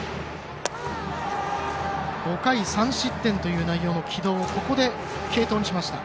５回３失点という内容の城戸をここで継投にしました。